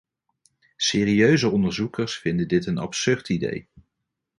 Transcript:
Serieuze onderzoekers vinden dit een absurd idee.